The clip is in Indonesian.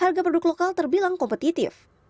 harga produk lokal terbilang kompetitif